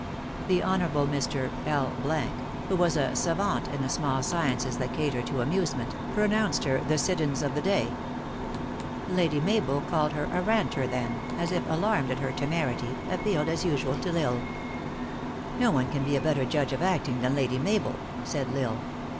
The Honorable Mr. 412 THE ACTRESS IN HIGH LIFE. L , who was a savant in the small sciences that cater to amusement, pronounced her the Siddons of the day ; Lady Mabel called her a ranter, then, as if alarmedat her temerity, appealed as usual to L Isle. "No one can be a better judge of acting than Lady Mabel," said L Isle.